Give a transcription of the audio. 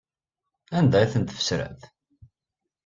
Anda ay tent-tfesremt?